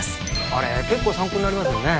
あれ結構参考になりますよね